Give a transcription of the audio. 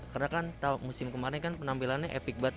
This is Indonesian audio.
karena kan musim kemarin kan penampilannya epic banget